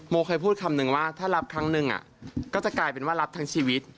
เคยพูดคำนึงว่าถ้ารับครั้งหนึ่งก็จะกลายเป็นว่ารับทั้งชีวิต